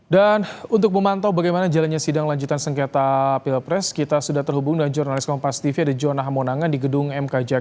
dan untuk memantau bagaimana jalannya sidang lanjutan sengketa pilpres kita sudah terhubung dengan jurnalis kompas tv ada jonah hamonangan di gedung mk jakarta